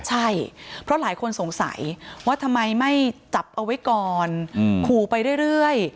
ใช่เพราะหลายคนสงสัยว่าทำไมไม่จับเอาไว้ก่อนขู่ไปเรื่อย